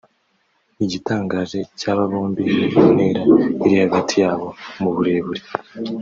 Igitangaje cy’aba bombi ni intera iri hagati yabo mu burebure